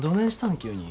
急に。